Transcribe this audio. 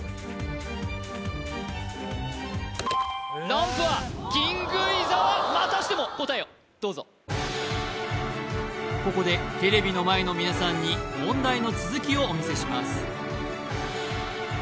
ランプはキング伊沢またしても答えをどうぞここでテレビの前の皆さんに問題の続きをお見せします